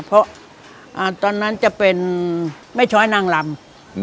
เพราะตอนนั้นจะเป็นไม่ช้อยนางลำ